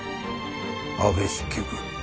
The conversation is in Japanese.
安部式部